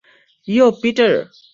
ইয়ো, Peter!